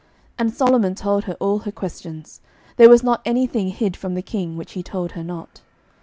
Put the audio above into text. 11:010:003 And Solomon told her all her questions: there was not any thing hid from the king, which he told her not.